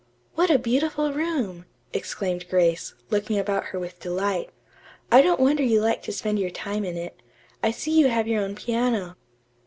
"What a beautiful room!" exclaimed Grace, looking about her with delight. "I don't wonder you like to spend your time in it. I see you have your own piano."